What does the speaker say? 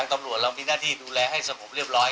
ตำรวจเรามีหน้าที่ดูแลให้สงบเรียบร้อย